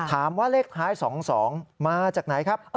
ถามว่าเลขขาย๒๒มาจากไหนครับ